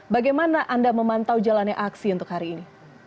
bagaimana anda memantau jalannya aksi untuk hari ini